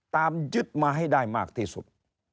ตามยึดมาให้ได้มากที่สุด